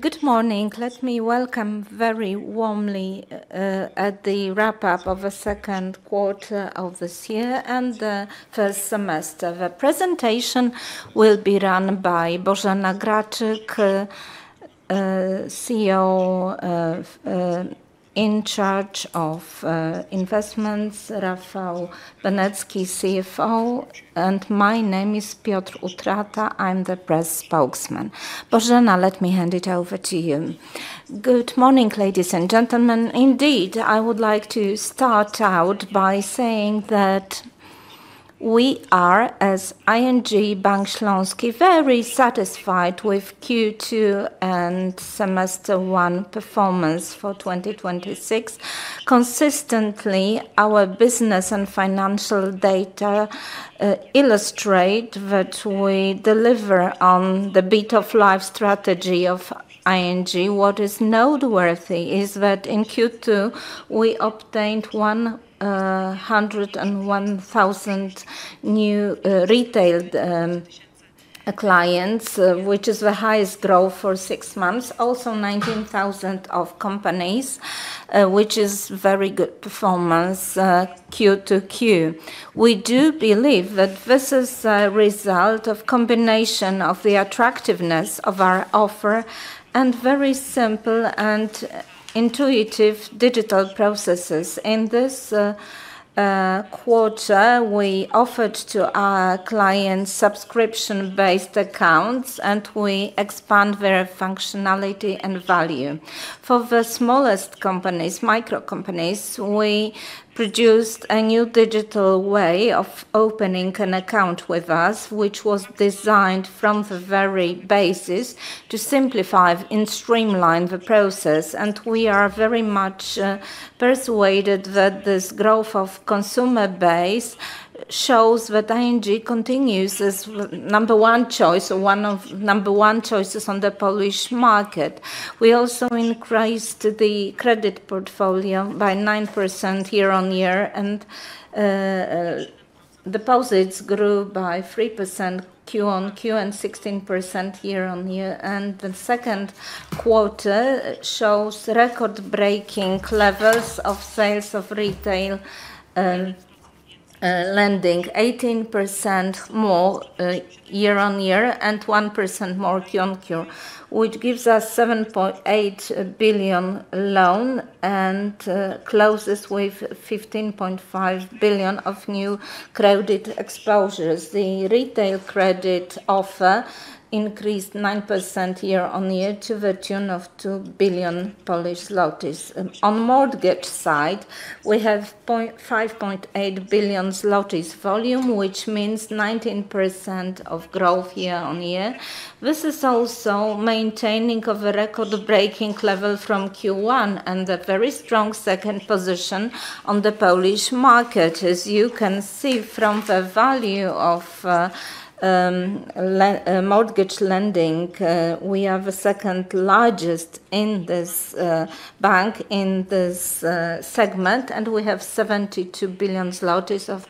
Good morning. Let me welcome very warmly at the wrap up of the second quarter of this year and the first semester. The presentation will be run by Bożena Graczyk, CEO in charge of investments, Rafał Benecki, CFO, and my name is Piotr Utrata, I'm the Press Spokesman. Bożena, let me hand it over to you. Good morning, ladies and gentlemen. Indeed, I would like to start out by saying that we are, as ING Bank Śląski, very satisfied with Q2 and semester one performance for 2026. Consistently, our business and financial data illustrate that we deliver on the ING. In the Beat of Life strategy of ING. What is noteworthy is that in Q2, we obtained 101,000 new retail clients, which is the highest growth for six months. Also 19,000 of companies, which is very good performance Q-to-Q. We do believe that this is a result of combination of the attractiveness of our offer and very simple and intuitive digital processes. In this quarter, we offered to our clients subscription-based accounts. We expand their functionality and value. For the smallest companies, micro companies, we produced a new digital way of opening an account with us, which was designed from the very basis to simplify and streamline the process. We are very much persuaded that this growth of consumer base shows that ING continues as one of number one choices on the Polish market. We also increased the credit portfolio by 9% year-on-year. Deposits grew by 3% Q-on-Q and 16% year-on-year. The second quarter shows record-breaking levels of sales of retail lending, 18% more year-on-year and 1% more Q-on-Q, which gives us 7.8 billion loan and closes with 15.5 billion of new credit exposures. The retail credit offer increased 9% year-on-year to the tune of 2 billion Polish zlotys. On mortgage side, we have 5.8 billion zlotys volume, which means 19% of growth year-on-year. This is also maintaining of a record-breaking level from Q1 and a very strong second position on the Polish market. As you can see from the value of mortgage lending, we are the second largest in this bank in this segment, and we have 72 billion zlotys of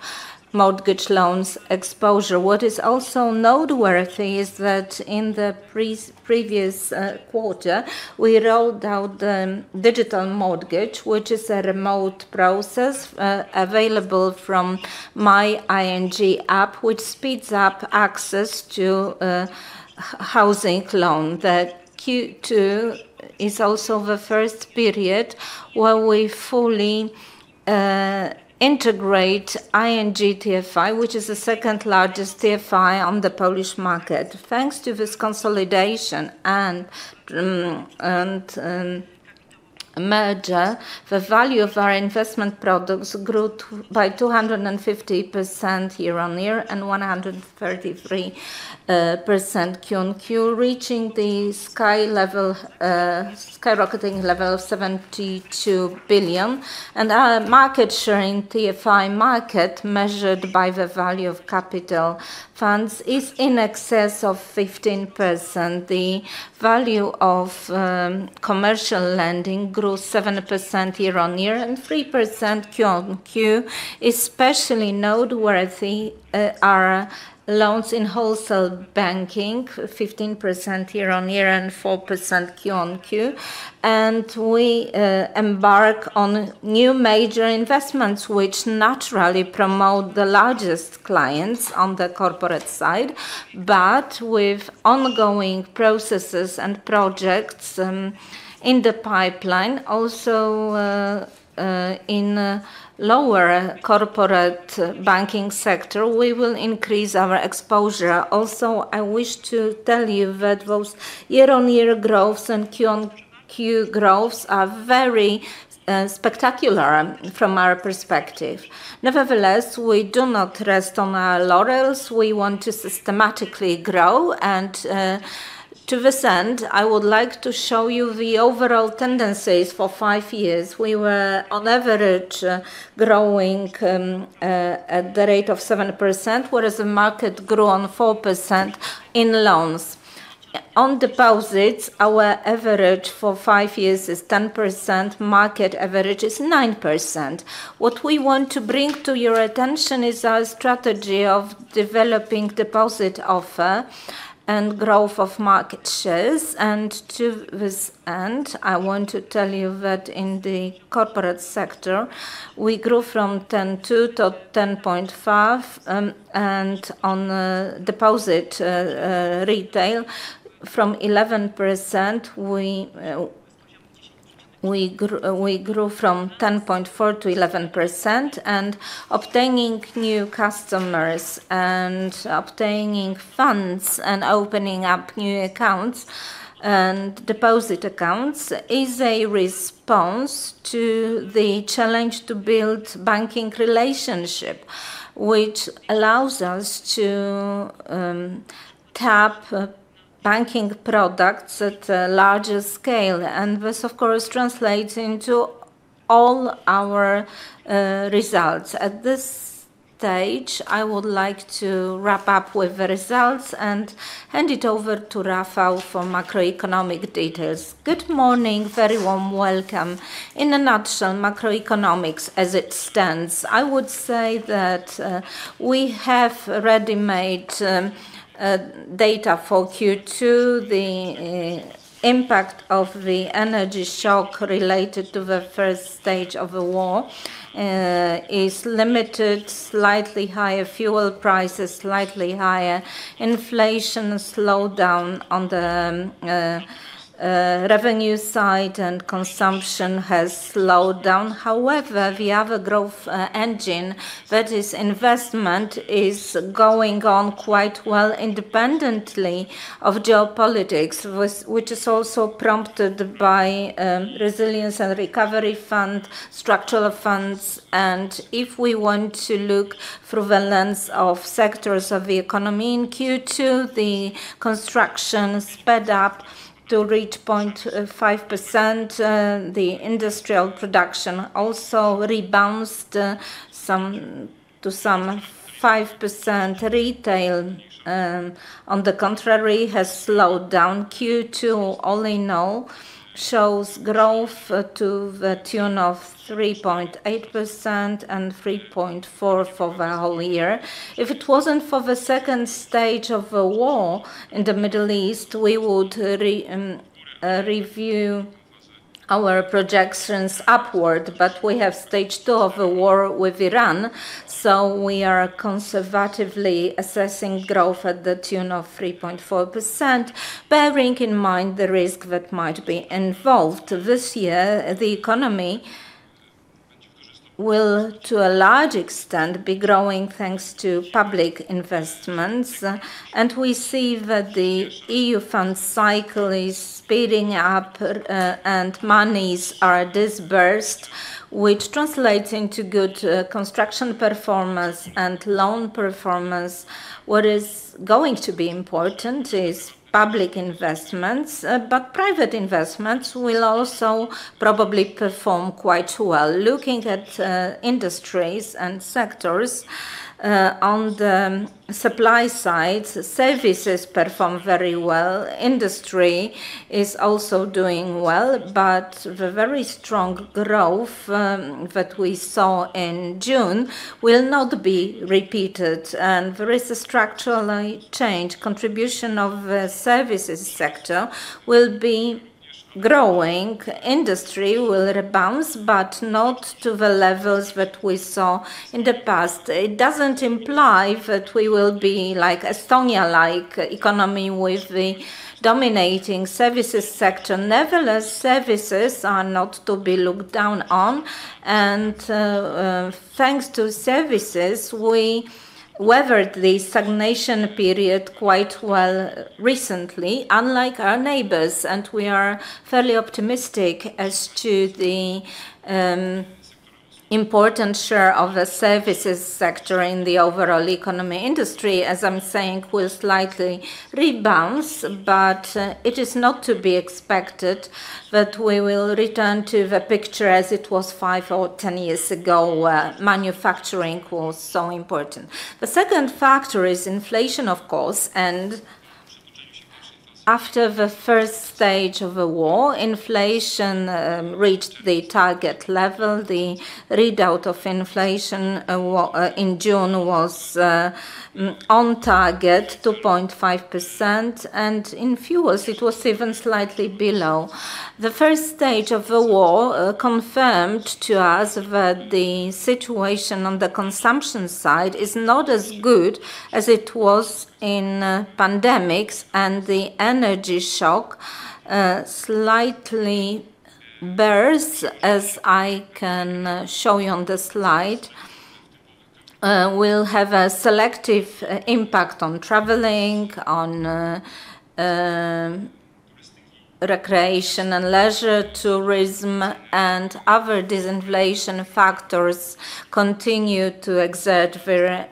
mortgage loans exposure. What is also noteworthy is that in the previous quarter, we rolled out the digital mortgage, which is a remote process available from Moje ING app, which speeds up access to housing loan. The Q2 is also the first period where we fully integrate ING TFI, which is the second largest TFI on the Polish market. Thanks to this consolidation and merger, the value of our investment products grew by 250% year-on-year and 133% Q-on-Q, reaching the skyrocketing level of 72 billion. Our market sharing TFI market, measured by the value of capital funds, is in excess of 15%. The value of commercial lending grew 7% year-on-year and 3% Q-on-Q. Especially noteworthy are loans in wholesale banking, 15% year-on-year and 4% Q-on-Q We embark on new major investments, which naturally promote the largest clients on the corporate side, with ongoing processes and projects in the pipeline. In lower corporate banking sector, we will increase our exposure. I wish to tell you that those year-over-year growths and quarter-over-quarter growths are very spectacular from our perspective. Nevertheless, we do not rest on our laurels. We want to systematically grow. To this end, I would like to show you the overall tendencies for five years. We were on average growing at the rate of 7%, whereas the market grew on 4% in loans. On deposits, our average for five years is 10%. Market average is 9%. What we want to bring to your attention is our strategy of developing deposit offer and growth of market shares. To this end, I want to tell you that in the corporate sector, we grew from 10.2%-10.5%, and on deposit retail from 11%, we grew from 10.4%-11%. Obtaining new customers and obtaining funds and opening up new accounts and deposit accounts is a response to the challenge to build banking relationship, which allows us to tap banking products at a larger scale. This, of course, translates into all our results. At this stage, I would like to wrap up with the results and hand it over to Rafał for macroeconomic details. Good morning. A very warm welcome. In a nutshell, macroeconomics as it stands, I would say that we have ready-made data for Q2. The impact of the energy shock related to the first stage of the war is limited. Slightly higher fuel prices, slightly higher inflation, slowdown on the revenue side. Consumption has slowed down. However, we have a growth engine, that is investment, is going on quite well independently of geopolitics, which is also prompted by resilience and recovery funds, structural funds. If we want to look through the lens of sectors of the economy in Q2, the construction sped up to reach 0.5%. The industrial production also rebounded to some 5%. Retail, on the contrary, has slowed down. Q2 only now shows growth to the tune of 3.8% and 3.4% for the whole year. If it wasn't for the second stage of the war in the Middle East, we would review our projections upward. We have stage two of the war with Iran, so we are conservatively assessing growth at the tune of 3.4%, bearing in mind the risk that might be involved. This year, the economy will, to a large extent, be growing thanks to public investments. We see that the EU fund cycle is speeding up and monies are disbursed, which translates into good construction performance and loan performance. What is going to be important is public investments, private investments will also probably perform quite well. Looking at industries and sectors on the supply side, services perform very well. Industry is also doing well, the very strong growth that we saw in June will not be repeated and there is a structural change. Contribution of services sector will be growing. Industry will rebound, but not to the levels that we saw in the past. It doesn't imply that we will be like Estonia, economy with the dominating services sector. Nevertheless, services are not to be looked down on. Thanks to services, we weathered the stagnation period quite well recently, unlike our neighbors. We are fairly optimistic as to the important share of the services sector in the overall economy. Industry, as I am saying, will slightly rebound, but it is not to be expected that we will return to the picture as it was five or 10 years ago, where manufacturing was so important. The second factor is inflation, of course. After the first stage of the war, inflation reached the target level. The readout of inflation in June was on target 2.5%, and in fuels it was even slightly below. The first stage of the war confirmed to us that the situation on the consumption side is not as good as it was in pandemics, and the energy shock slightly bears, as I can show you on the slide, will have a selective impact on traveling, on recreation, and leisure tourism. Other disinflation factors continue to exert their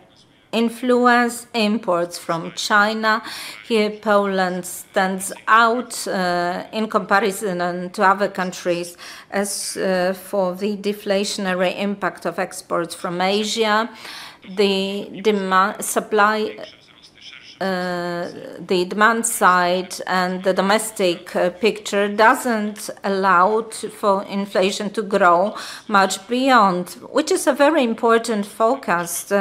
influence. Imports from China. Here, Poland stands out in comparison to other countries. As for the deflationary impact of exports from Asia, the supply. The demand side and the domestic picture does not allow for inflation to grow much beyond, which is a very important forecast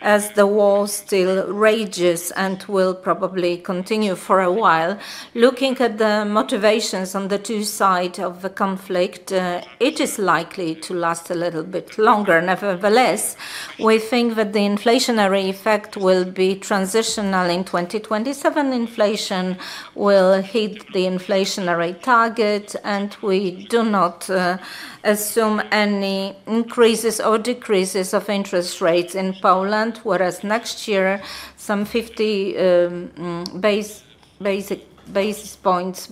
as the war still rages and will probably continue for a while. Looking at the motivations on the two side of the conflict, it is likely to last a little bit longer. Nevertheless, we think that the inflationary effect will be transitional in 2027. Inflation will hit the inflationary target. We do not assume any increases or decreases of interest rates in Poland, whereas next year, some 50 basis points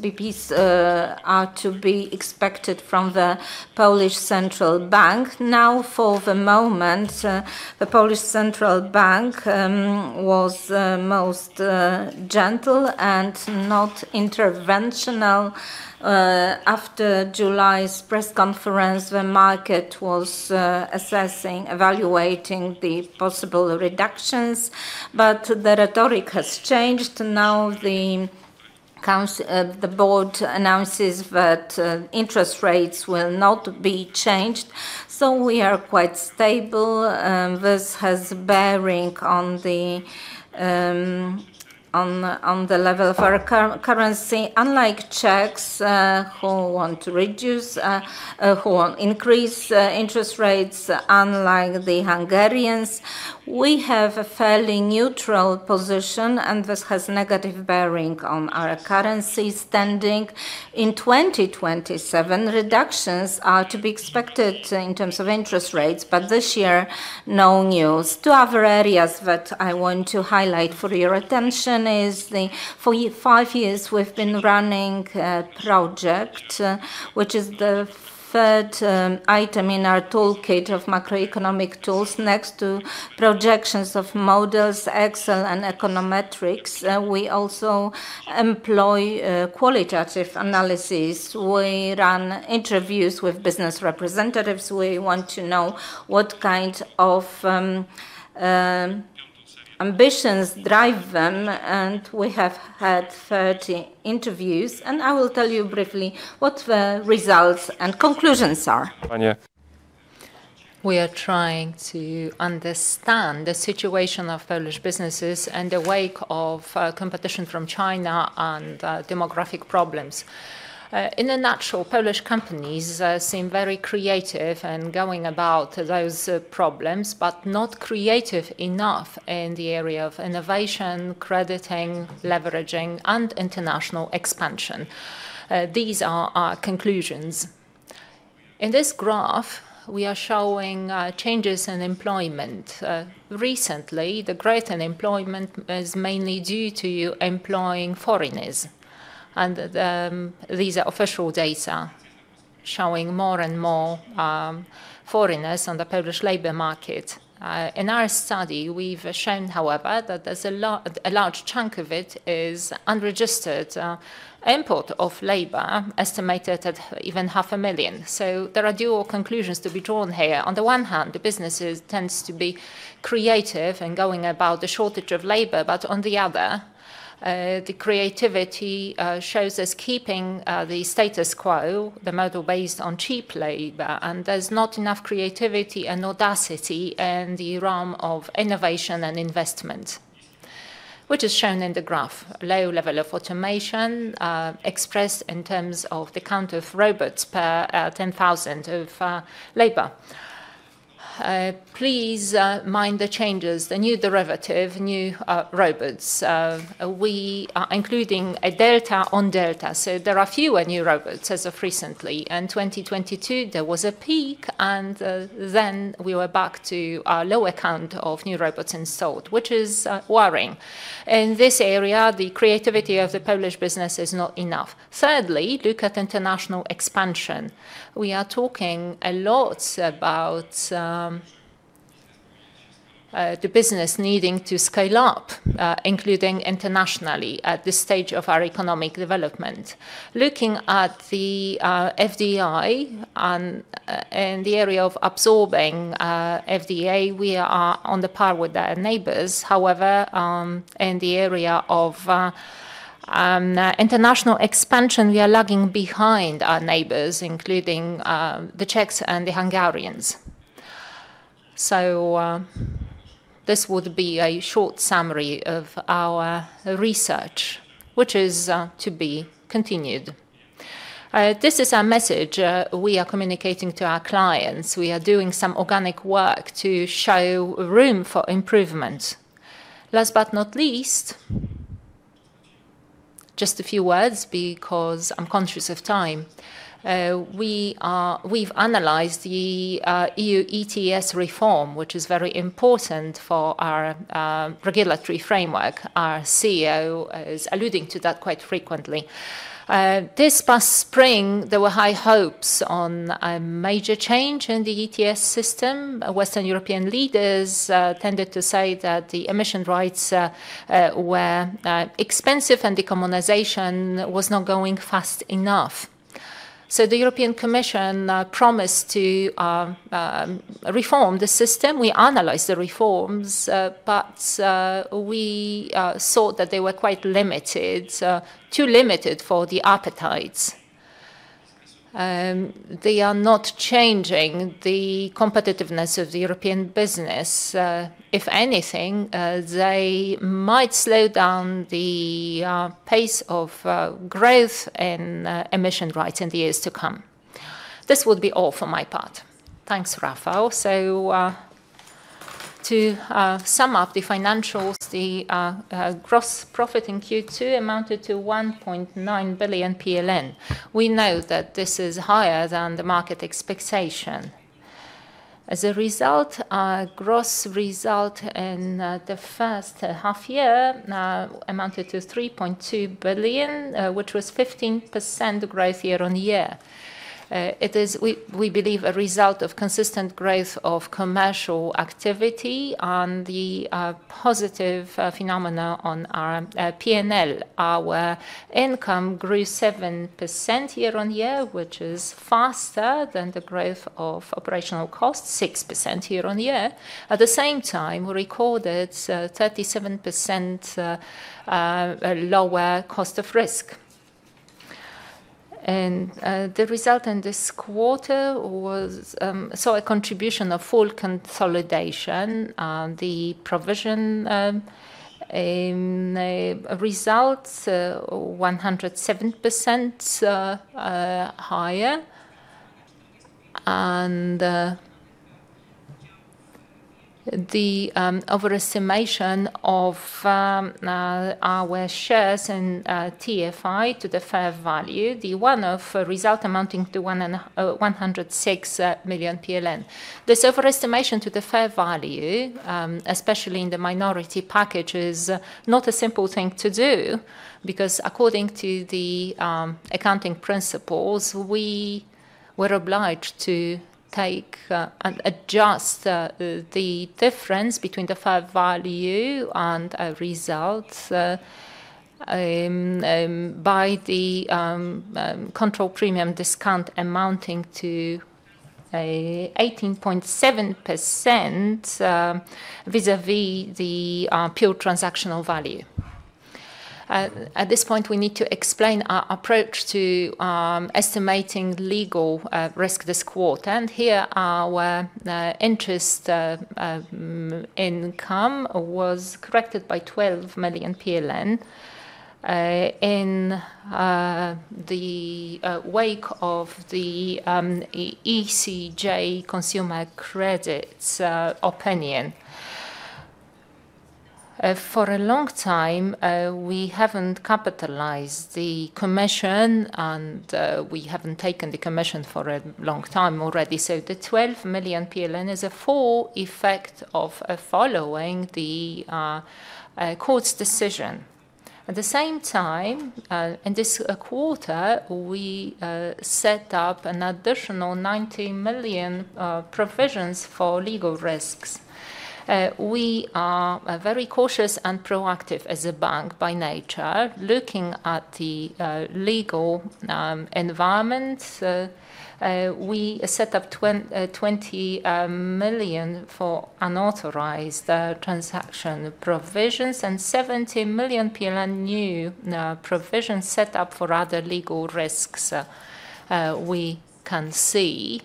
are to be expected from the Polish central bank. For the moment, the Polish central bank was most gentle and not interventional. After July's press conference, the market was evaluating the possible reductions. The rhetoric has changed. The board announces that interest rates will not be changed. We are quite stable. This has bearing on the level of our currency. Unlike Czechs, who want to increase interest rates, unlike the Hungarians, we have a fairly neutral position. This has negative bearing on our currency standing. In 2027, reductions are to be expected in terms of interest rates. This year, no news. Two other areas that I want to highlight for your attention is the five years we have been running a project, which is the third item in our toolkit of macroeconomic tools. Next to projections of models, Excel, and econometrics, we also employ qualitative analysis. We run interviews with business representatives. We want to know what kind of ambitions drive them. We have had 30 interviews. I will tell you briefly what the results and conclusions are. We are trying to understand the situation of Polish businesses in the wake of competition from China and demographic problems. In a nutshell, Polish companies seem very creative and going about those problems, but not creative enough in the area of innovation, crediting, leveraging, and international expansion. These are our conclusions. In this graph, we are showing changes in employment. Recently, the growth in employment is mainly due to employing foreigners, and these are official data showing more and more foreigners on the Polish labor market. In our study, we've shown, however, that a large chunk of it is unregistered import of labor, estimated at even half a million. There are dual conclusions to be drawn here. On the one hand, the businesses tend to be creative in going about the shortage of labor. On the other, the creativity shows us keeping the status quo, the model based on cheap labor, and there's not enough creativity and audacity in the realm of innovation and investment, which is shown in the graph. Low level of automation expressed in terms of the count of robots per 10,000 of labor. Please mind the changes. The new derivative, new robots. We are including a delta on delta, there are fewer new robots as of recently. In 2022, there was a peak, and then we were back to a lower count of new robots installed, which is worrying. In this area, the creativity of the Polish business is not enough. Thirdly, look at international expansion. We are talking a lot about the business needing to scale up, including internationally at this stage of our economic development. Looking at the FDI and the area of absorbing FDI, we are on the par with our neighbors. In the area of international expansion, we are lagging behind our neighbors, including the Czechs and the Hungarians. This would be a short summary of our research, which is to be continued. This is our message we are communicating to our clients. We are doing some organic work to show room for improvement. Last but not least, just a few words because I'm conscious of time. We've analyzed the EU ETS reform, which is very important for our regulatory framework. Our CEO is alluding to that quite frequently. This past spring, there were high hopes on a major change in the ETS system. Western European leaders tended to say that the emission rights were expensive, and decarbonization was not going fast enough. The European Commission promised to reform the system. We analyzed the reforms, we saw that they were quite limited, too limited for the appetites. They are not changing the competitiveness of the European business. If anything, they might slow down the pace of growth in emission rights in the years to come. This will be all for my part. Thanks, Rafał. To sum up the financials, the gross profit in Q2 amounted to 1.9 billion PLN. We know that this is higher than the market expectation. As a result, our gross result in the first half year now amounted to 3.2 billion, which was 15% growth year-over-year. It is, we believe, a result of consistent growth of commercial activity and the positive phenomena on our P&L. Our income grew 7% year-over-year, which is faster than the growth of operational costs, 6% year-over-year. At the same time, we recorded 37% lower cost of risk. The result in this quarter saw a contribution of full consolidation. The provision results, 107% higher. The overestimation of our shares and TFI to the fair value, the one-off result amounting to 106 million PLN. This overestimation to the fair value, especially in the minority packages, not a simple thing to do. Because according to the accounting principles, we were obliged to take and adjust the difference between the fair value and our results by the control premium discount amounting to 18.7% vis-à-vis the pure transactional value. At this point, we need to explain our approach to estimating legal risk this quarter. Here, our interest income was corrected by 12 million PLN in the wake of the ECJ consumer credits opinion. For a long time, we haven't capitalized the commission. We haven't taken the commission for a long time already. The 12 million PLN is a full effect of following the court's decision. At the same time, in this quarter, we set up an additional 19 million provisions for legal risks. We are very cautious and proactive as a bank by nature. Looking at the legal environment, we set up 20 million for unauthorized transaction provisions and 17 million PLN new provision set up for other legal risks we can see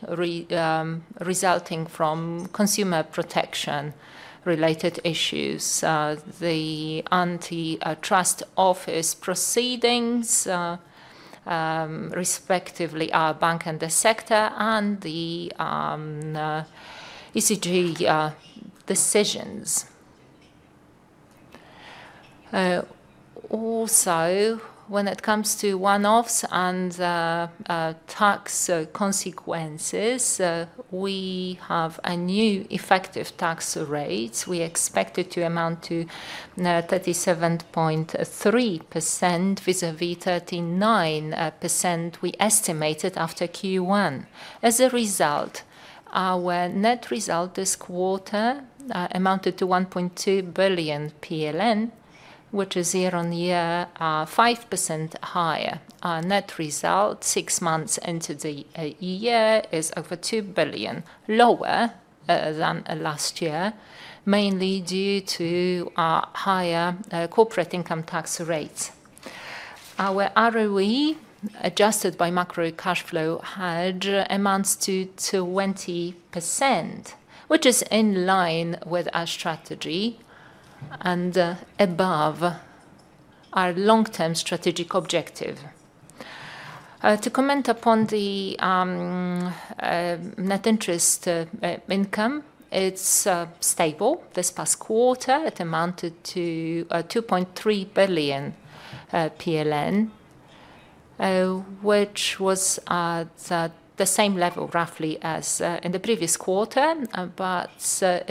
resulting from consumer protection-related issues, the antitrust office proceedings, respectively, our bank and the sector, and the ECJ decisions. Also, when it comes to one-offs and tax consequences, we have a new effective tax rate. We expect it to amount to 37.3% vis-à-vis 39% we estimated after Q1. As a result, our net result this quarter amounted to 1.2 billion PLN, which is year-on-year, 5% higher. Our net result six months into the year is over 2 billion, lower than last year, mainly due to our higher corporate income tax rate. Our ROE, adjusted by macro cash flow, had amounts to 20%, which is in line with our strategy and above our long-term strategic objective. To comment upon the net interest income, it's stable. This past quarter, it amounted to 2.3 billion PLN, which was at the same level roughly as in the previous quarter.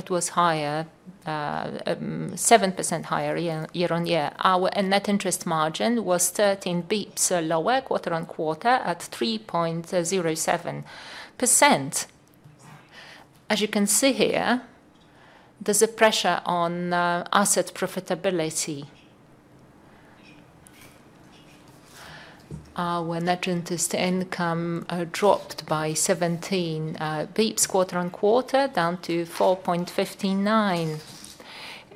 It was higher, 7% higher year-on-year. Our net interest margin was 13 basis points lower quarter-on-quarter at 3.07%. As you can see here, there's a pressure on asset profitability. Our net interest income dropped by 17 basis points quarter-on-quarter, down to 4.59%.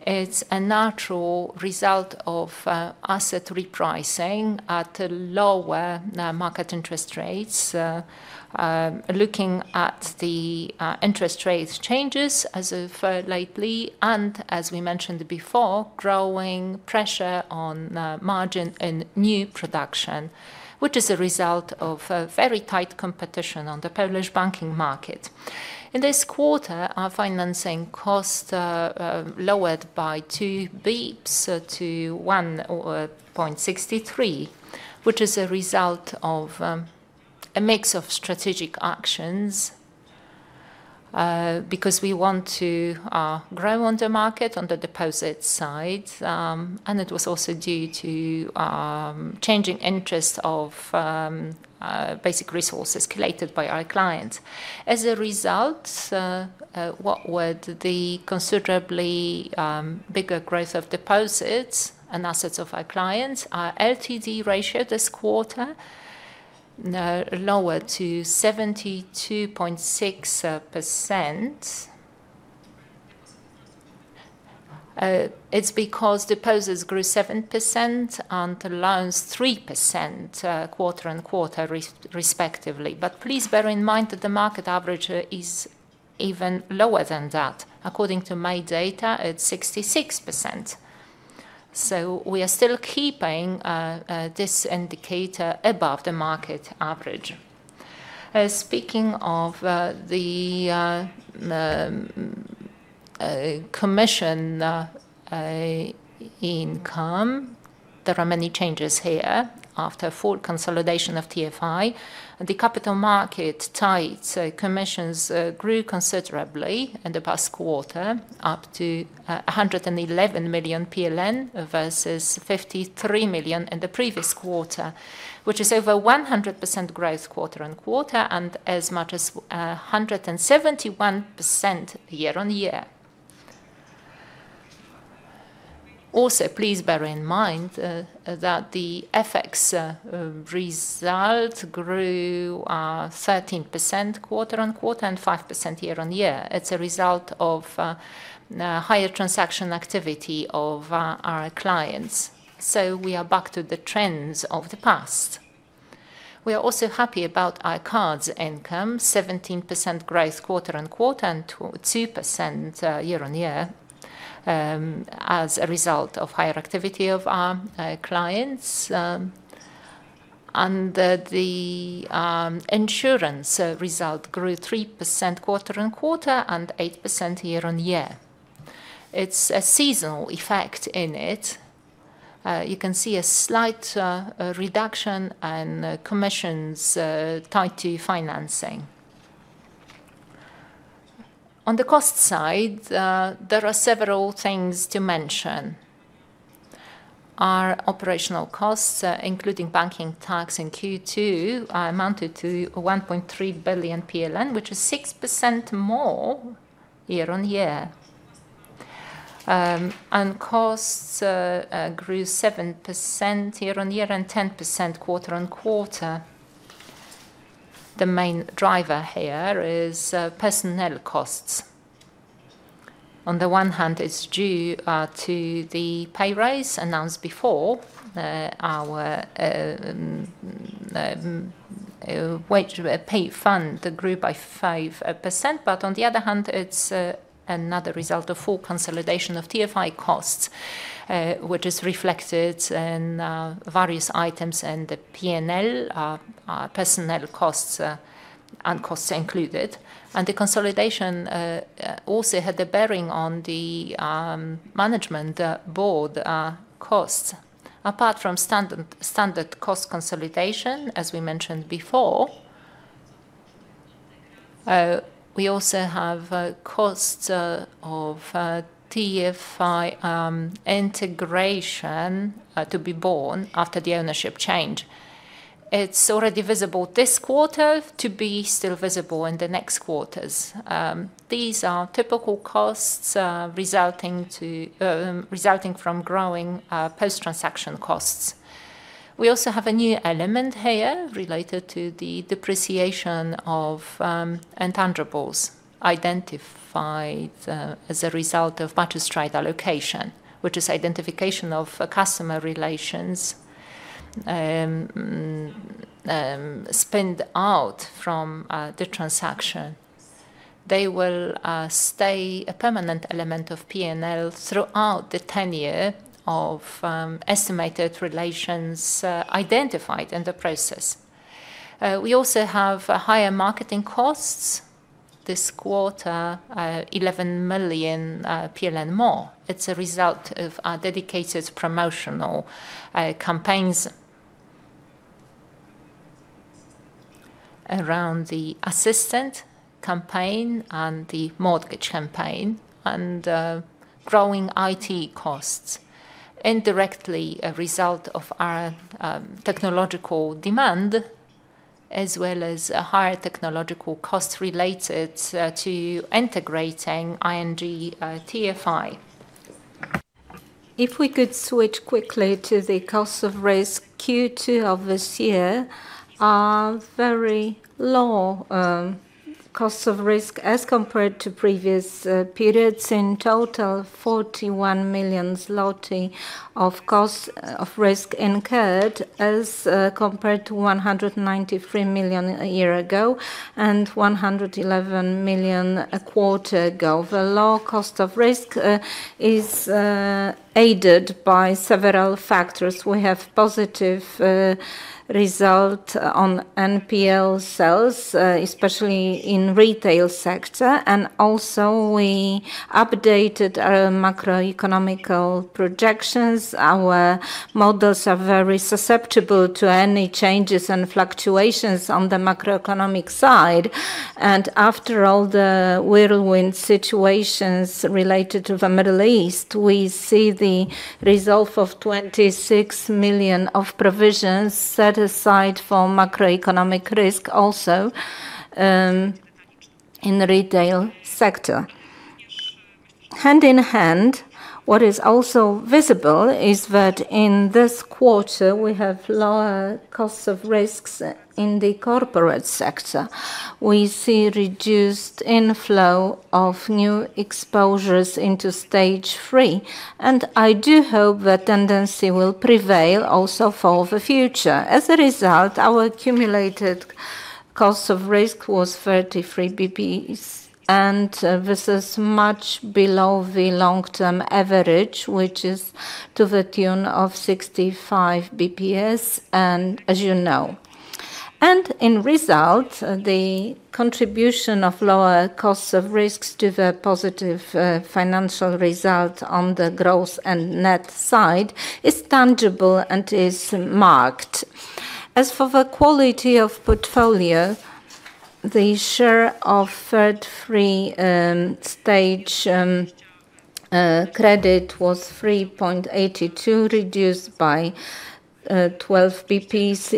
It's a natural result of asset repricing at lower market interest rates. Looking at the interest rates changes as of lately, as we mentioned before, growing pressure on margin and new production, which is a result of very tight competition on the Polish banking market. In this quarter, our financing cost lowered by 2 basis points, to 1.63%, which is a result of a mix of strategic actions, because we want to grow on the market on the deposit side. It was also due to changing interest of basic resources collated by our clients. As a result, what were the considerably bigger growth of deposits and assets of our clients, our LTD ratio this quarter, lower to 72.6%. It's because deposits grew 7% and loans 3% quarter-on-quarter, respectively. Please bear in mind that the market average is even lower than that. According to my data, it's 66%. So we are still keeping this indicator above the market average. Speaking of the commission income, there are many changes here after full consolidation of TFI. The capital market TFI commissions grew considerably in the past quarter, up to 111 million PLN versus 53 million in the previous quarter, which is over 100% growth quarter-on-quarter and as much as 171% year-on-year. Also, please bear in mind that the FX result grew 13% quarter-on-quarter and 5% year-on-year. It's a result of higher transaction activity of our clients. So we are back to the trends of the past. We are also happy about our cards income, 17% growth quarter-on-quarter and 2% year-on-year, as a result of higher activity of our clients. The insurance result grew 3% quarter-on-quarter and 8% year-on-year. It's a seasonal effect in it. You can see a slight reduction in commissions tied to financing. On the cost side, there are several things to mention. Our operational costs, including banking tax in Q2, amounted to 1.3 billion PLN, which is 6% more year-on-year. Costs grew 7% year-on-year and 10% quarter-on-quarter. The main driver here is personnel costs. On the one hand, it's due to the pay raise announced before. Our wage pay fund grew by 5%, but on the other hand, it's another result of full consolidation of TFI costs, which is reflected in various items in the P&L. Personnel costs and costs included. The consolidation also had the bearing on the management board costs. Apart from standard cost consolidation, as we mentioned before, we also have costs of TFI integration to be borne after the ownership change. It's already visible this quarter to be still visible in the next quarters. These are typical costs resulting from growing post-transaction costs. We also have a new element here related to the depreciation of intangibles identified as a result of purchase price allocation, which is identification of customer relations spin out from the transaction. They will stay a permanent element of P&L throughout the tenure of estimated relations identified in the process. We also have higher marketing costs this quarter, 11 million PLN more. It's a result of our dedicated promotional campaigns around the assistant campaign and the mortgage campaign. Growing IT costs, indirectly a result of our technological demand, as well as higher technological costs related to integrating ING TFI. If we could switch quickly to the cost of risk. Q2 of this year, our very low cost of risk as compared to previous periods. In total, 41 million zloty of cost of risk incurred as compared to 193 million a year ago, and 111 million a quarter ago. The low cost of risk is aided by several factors. We have positive result on NPL sales, especially in retail sector, and also we updated our macroeconomic projections. Our models are very susceptible to any changes and fluctuations on the macroeconomic side. After all the whirlwind situations related to the Middle East, we see the result of 26 million of provisions set aside for macroeconomic risk also in retail sector. Hand in hand, what is also visible is that in this quarter we have lower costs of risks in the corporate sector. We see reduced inflow of new exposures into Stage 3, and I do hope that tendency will prevail also for the future. As a result, our accumulated cost of risk was 33 basis points, and this is much below the long-term average, which is to the tune of 65 basis points as you know. In result, the contribution of lower costs of risks to the positive financial result on the gross and net side is tangible and is marked. As for the quality of portfolio, the share of Stage 3 credit was 3.82%, reduced by 12 basis points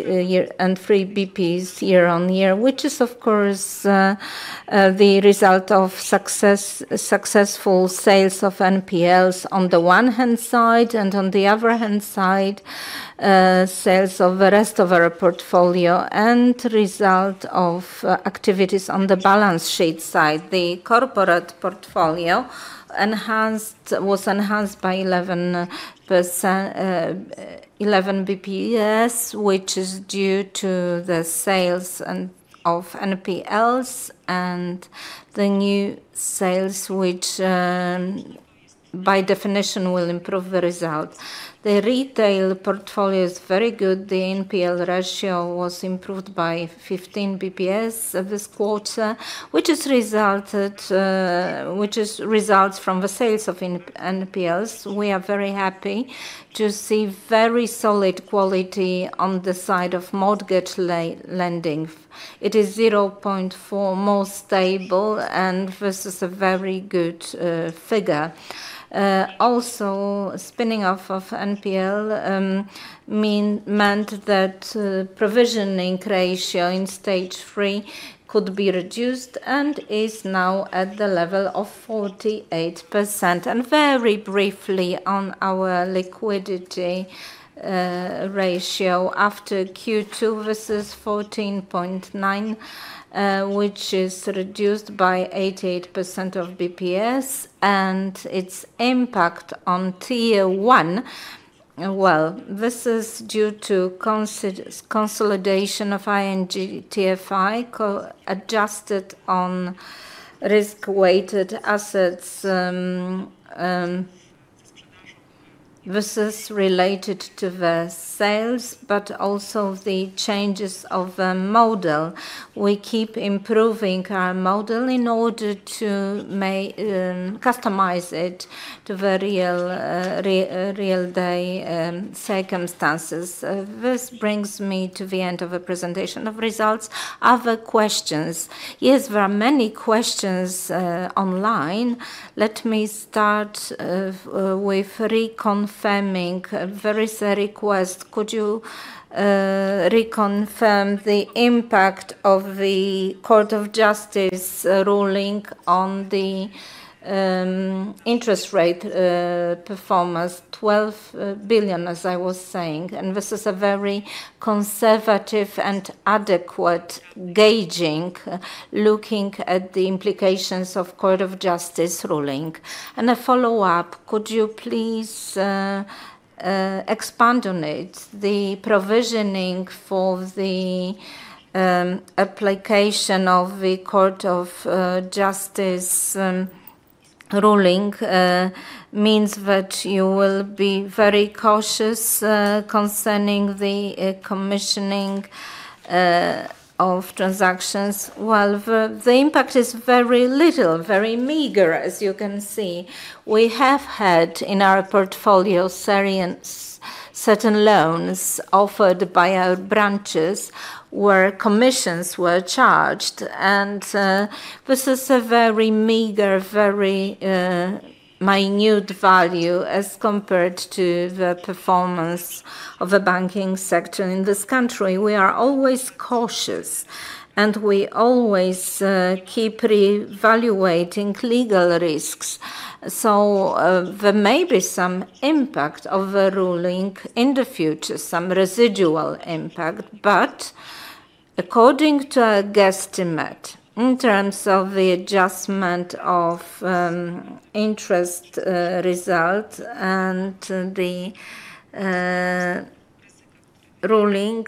and 3 basis points year-on-year, which is of course the result of successful sales of NPLs on the one hand side, and on the other hand side, sales of the rest of our portfolio and result of activities on the balance sheet side. The corporate portfolio was enhanced by 11 basis points, which is due to the sales of NPLs and the new sales which by definition will improve the result. The retail portfolio is very good. The NPL ratio was improved by 15 basis points this quarter, which results from the sales of NPLs. We are very happy to see very solid quality on the side of mortgage lending. It is 0.4 more stable, and this is a very good figure. Also, spinning off of NPLs meant that provisioning ratio in Stage 3 could be reduced and is now at the level of 48%. Very briefly on our liquidity ratio. After Q2, this is 14.9%, which is reduced by 88 basis points and its impact on Tier 1. This is due to consolidation of ING TFI adjusted on risk-weighted assets. This is related to the sales, but also the changes of the model. We keep improving our model in order to customize it to the real day circumstances. This brings me to the end of a presentation of results. Other questions. Yes, there are many questions online. Let me start with reconfirming. There is a request. Could you reconfirm the impact of the Court of Justice ruling on the interest rate performance? 12 million, as I was saying, and this is a very conservative and adequate gauging, looking at the implications of Court of Justice ruling. A follow-up, could you please expand on it? The provisioning for the application of the Court of Justice ruling means that you will be very cautious concerning the commissioning of transactions. The impact is very little, very meager, as you can see. We have had in our portfolio serious certain loans offered by our branches where commissions were charged. This is a very meager, very minute value as compared to the performance of the banking sector in this country. We are always cautious, and we always keep reevaluating legal risks. There may be some impact of the ruling in the future, some residual impact. According to our guesstimate, in terms of the adjustment of interest result and the ruling,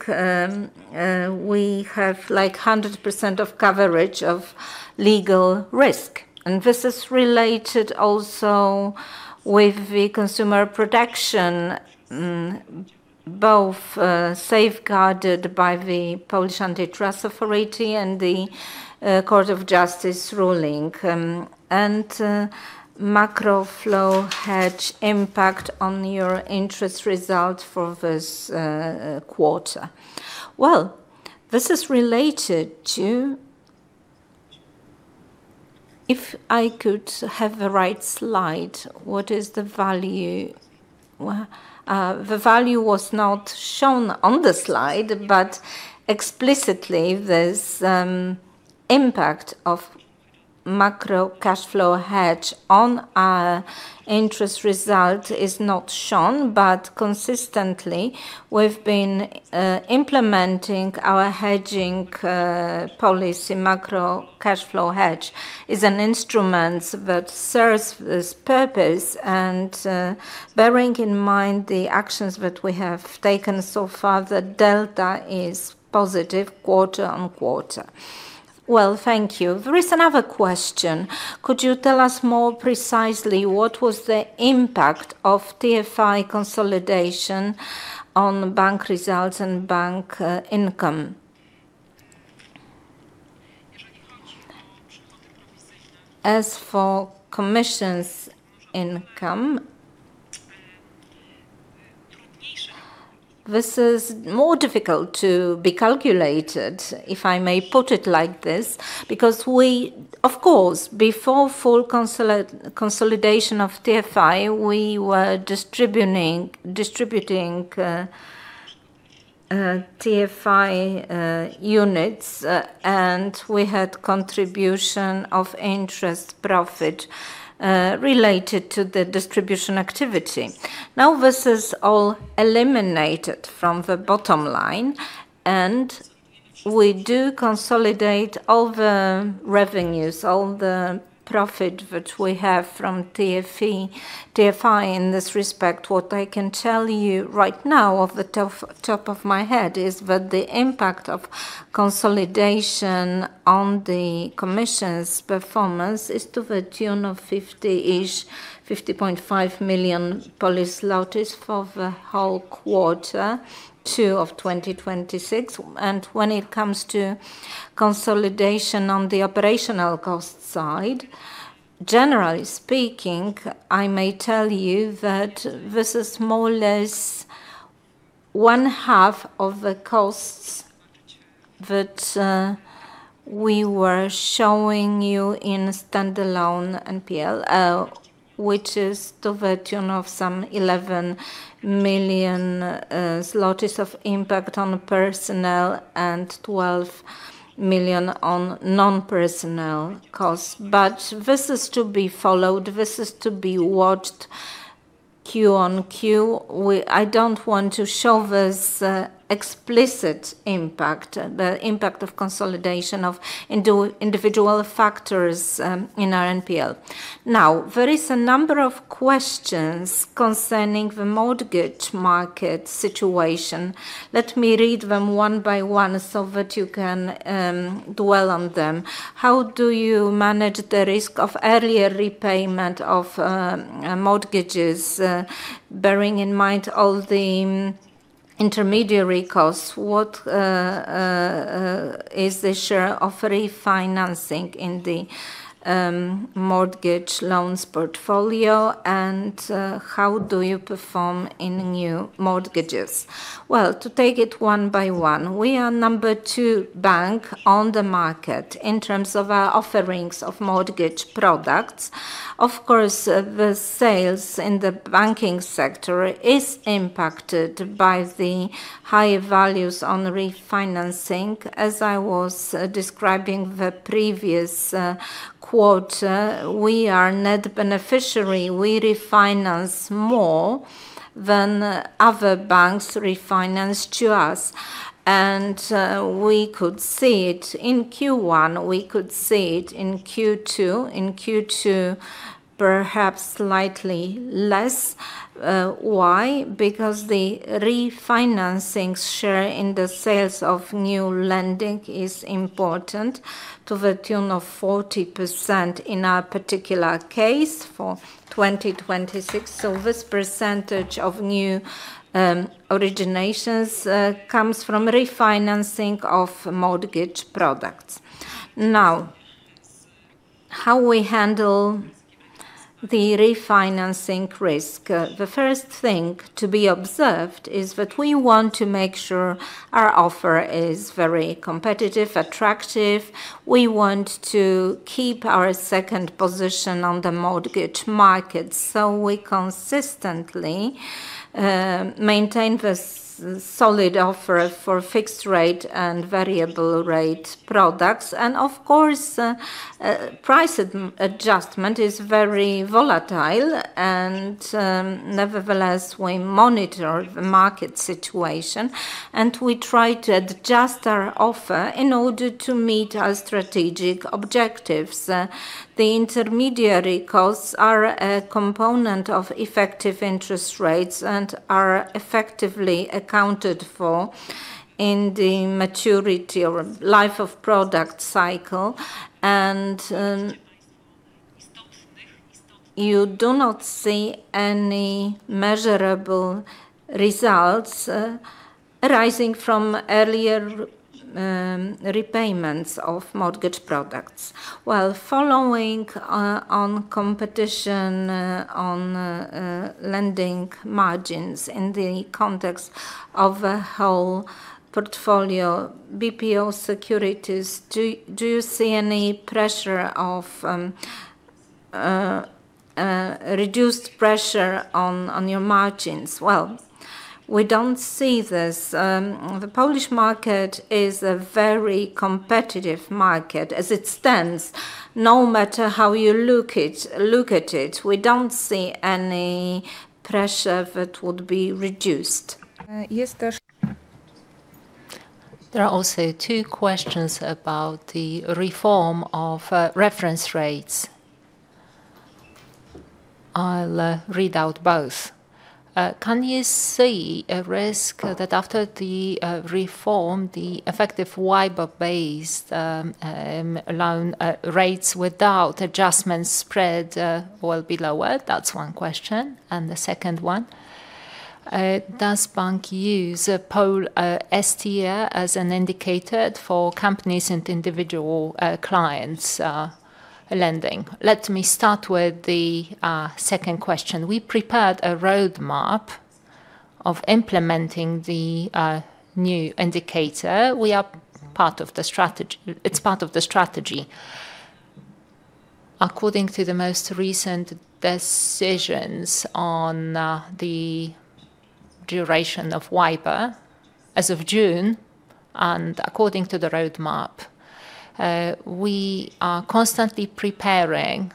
we have 100% of coverage of legal risk, and this is related also with the consumer protection, both safeguarded by the Polish Antitrust Authority and the Court of Justice ruling. Macro cash flow hedge impact on your interest result for this quarter. This is related to. If I could have the right slide. What is the value? The value was not shown on the slide. Explicitly, this impact of macro cash flow hedge on our interest result is not shown. Consistently, we've been implementing our hedging policy. Macro cash flow hedge is an instrument that serves this purpose. Bearing in mind the actions that we have taken so far, the delta is positive quarter-on-quarter. Well, thank you. There is another question. Could you tell us more precisely what was the impact of TFI consolidation on bank results and bank income? As for commissions income, this is more difficult to be calculated, if I may put it like this. Because of course, before full consolidation of TFI, we were distributing TFI units, and we had contribution of interest profit related to the distribution activity. Now, this is all eliminated from the bottom line. We do consolidate all the revenues, all the profit which we have from TFI in this respect. What I can tell you right now off the top of my head is that the impact of consolidation on the commission's performance is to the tune of 50-ish, 50.5 million for the whole quarter two of 2026. When it comes to consolidation on the operational cost side, generally speaking, I may tell you that this is more or less one half of the costs that we were showing you in standalone P&L, which is to the tune of some 11 million zlotys of impact on personnel and 12 million on non-personnel costs. This is to be followed, this is to be watched Q-on-Q. I don't want to show this explicit impact, the impact of consolidation of individual factors in our P&L. There is a number of questions concerning the mortgage market situation. Let me read them one by one so that you can dwell on them. How do you manage the risk of earlier repayment of mortgages, bearing in mind all the intermediary costs? What is the share of refinancing in the mortgage loans portfolio, and how do you perform in new mortgages? Well, to take it one by one, we are number two bank on the market in terms of our offerings of mortgage products. Of course, the sales in the banking sector is impacted by the higher values on refinancing. As I was describing the previous quarter, we are net beneficiary. We refinance more than other banks refinance to us. We could see it in Q1, we could see it in Q2. In Q2, perhaps slightly less. Why? Because the refinancing share in the sales of new lending is important to the tune of 40% in our particular case for 2026. So this percentage of new originations comes from refinancing of mortgage products. How we handle the refinancing risk? The first thing to be observed is that we want to make sure our offer is very competitive, attractive. We want to keep our second position on the mortgage market. So we consistently maintain this solid offer for fixed rate and variable rate products. Of course, price adjustment is very volatile. Nevertheless, we monitor the market situation and we try to adjust our offer in order to meet our strategic objectives. The intermediary costs are a component of effective interest rates and are effectively accounted for in the maturity or life of product cycle. You do not see any measurable results arising from earlier repayments of mortgage products. Well, following on competition on lending margins in the context of a whole portfolio, BPO securities, do you see any reduced pressure on your margins? Well, we don't see this. The Polish market is a very competitive market as it stands. No matter how you look at it, we don't see any pressure that would be reduced. There are also two questions about the reform of reference rates. I'll read out both. Can you see a risk that after the reform, the effective WIBOR-based loan rates without adjustment spread will be lowered? That's one question. The second one, does bank use POLSTR as an indicator for companies and individual clients lending? Let me start with the second question. We prepared a roadmap of implementing the new indicator. It's part of the strategy. According to the most recent decisions on the duration of WIBOR as of June and according to the roadmap, we are constantly preparing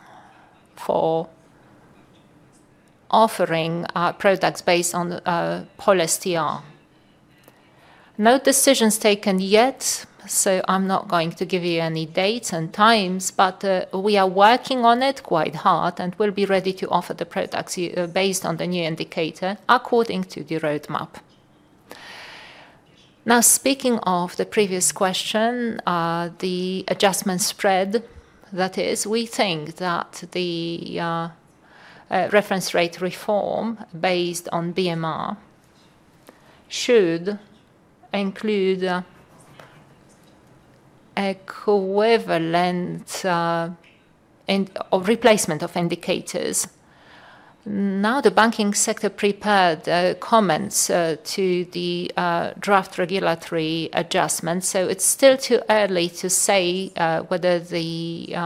for offering products based on POLSTR. No decisions taken yet, so I'm not going to give you any dates and times, but we are working on it quite hard and will be ready to offer the products based on the new indicator according to the roadmap. Speaking of the previous question, the adjustment spread, that is, we think that the reference rate reform based on BMR should include an equivalent of replacement of indicators. The banking sector prepared comments to the draft regulatory adjustment, so it's still too early to say whether the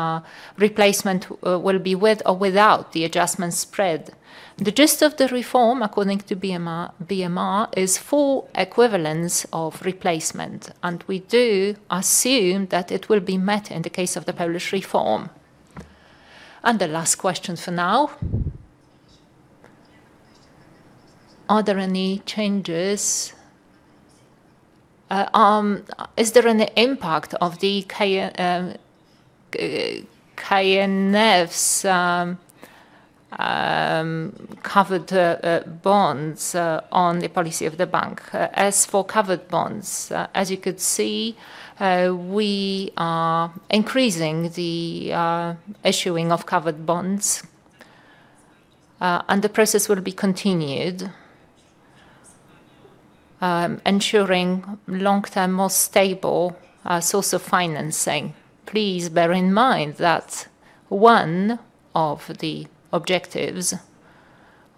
replacement will be with or without the adjustment spread. The gist of the reform, according to BMR, is full equivalence of replacement. We do assume that it will be met in the case of the Polish reform. The last question for now, is there any impact of the KNF's covered bonds on the policy of the bank? As for covered bonds, as you could see, we are increasing the issuing of covered bonds. The process will be continued, ensuring long-term, more stable source of financing. Please bear in mind that one of the objectives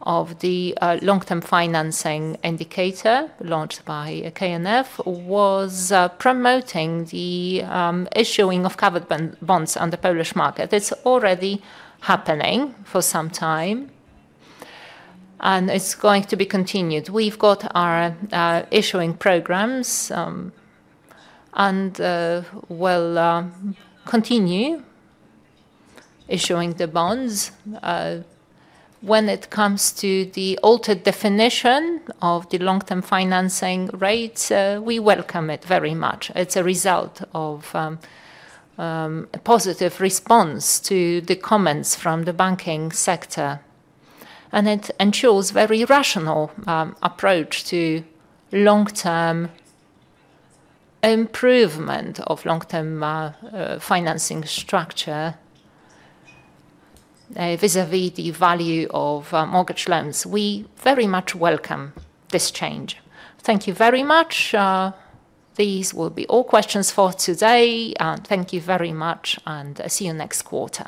of the long-term financing indicator launched by KNF was promoting the issuing of covered bonds on the Polish market. It's already happening for some time. It's going to be continued. We've got our issuing programs. We'll continue issuing the bonds. When it comes to the altered definition of the long-term financing rate, we welcome it very much. It's a result of a positive response to the comments from the banking sector. It ensures very rational approach to long-term improvement of long-term financing structure vis-à-vis the value of mortgage loans. We very much welcome this change. Thank you very much. These will be all questions for today. Thank you very much. See you next quarter.